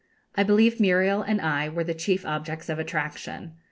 I believe Muriel and I were the chief objects of attraction.